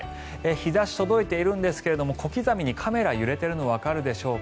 日差し届いているんですが小刻みにカメラが揺れているのわかりますでしょうか。